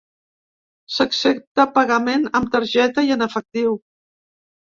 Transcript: S'accepta pagament amb targeta i en efectiu.